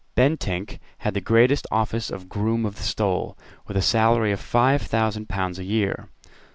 Bentinck had the great office of Groom of the Stole, with a salary of five thousand pounds a year.